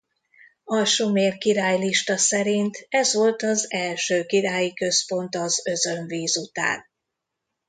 A sumer királylista szerint ez volt az első királyi központ az özönvíz után.